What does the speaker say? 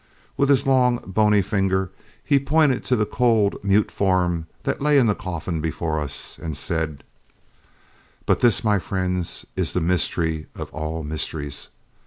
With his long bony finger he pointed to the cold, mute form that lay in the coffin before us, and said, "But this, my friends, is the mystery of all mysteries."